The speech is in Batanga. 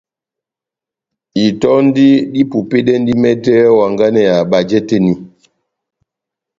Itɔndi dipupedɛndi mɛtɛ ó hanganɛ ya bajɛ tɛ́h eni.